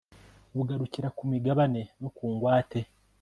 bugarukira ku migabane no ku ngwate